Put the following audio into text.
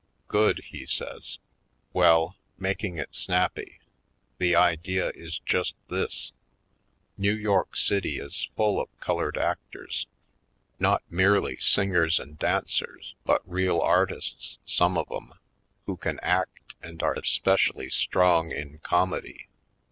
"Good," he says. "Well, making it snappy, the idea is just this: New York City is full of colored actors — not merely 136 /. Poindexter^ Colored singers and dancers but real artists, some of 'em, who can act and are especially strong in comedy.